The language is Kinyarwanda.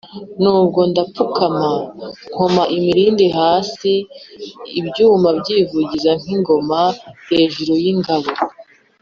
ubwo ndapfukama nkoma imilindi hasi ibyuma byivugiza nk’ingoma hejuru y’ingabo,